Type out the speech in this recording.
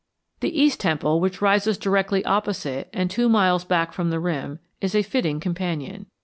The East Temple, which rises directly opposite and two miles back from the rim, is a fitting companion.